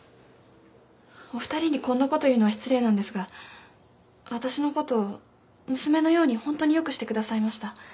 お二人にこんなこと言うのは失礼なんですがわたしのこと娘のようにホントに良くしてくださいました。